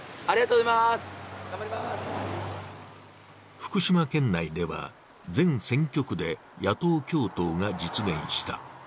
福島県内では全選挙区で野党共闘が実現した。